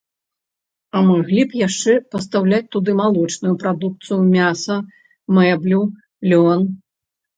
А маглі б яшчэ пастаўляць туды малочную прадукцыю, мяса, мэблю, лён.